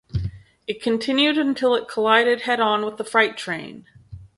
It continued until it collided head-on with the freight train.